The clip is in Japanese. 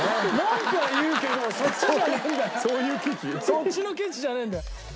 そっちの「ケチ」じゃねえんだよ。